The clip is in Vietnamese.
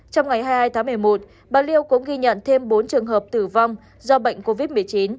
trong ngày hai mươi hai tháng một mươi một bà liu cũng ghi nhận thêm bốn trường hợp tử vong do bệnh covid một mươi chín